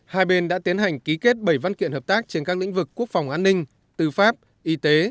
hai bên đã tiến hành ký kết bảy văn kiện hợp tác trên các lĩnh vực quốc phòng an ninh tư pháp y tế